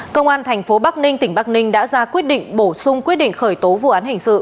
công an thành phố bắc ninh tỉnh bắc ninh đã ra quyết định bổ sung quyết định khởi tố vụ án hình sự